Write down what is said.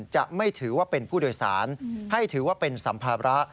จะไม่ถือว่าเป็นผู้โดยสารให้ถือว่าเป็นสัมภาระ